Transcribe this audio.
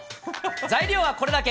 材料はこれだけ。